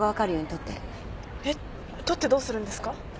えっ？撮ってどうするんですか？